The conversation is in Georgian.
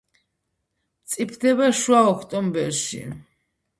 მწიფდება შუა ოქტომბერში.